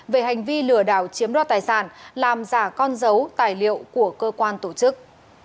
về hành vi lừa đảo chiếm đoạt tài sản làm giả con dấu tài liệu của cơ quan tổ chức